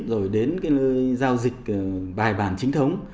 rồi đến cái giao dịch bài bản chính thống